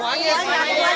semuanya kalau bisa semuanya